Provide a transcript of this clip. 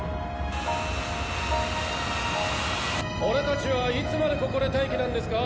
俺たちはいつまでここで待機なんですか？